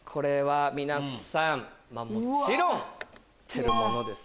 皆さんもちろん見てるものです。